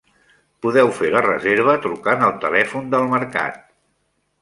Podeu fer la reserva trucant al telèfon del mercat.